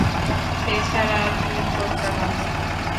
এছাড়া আর কী করতাম আমি?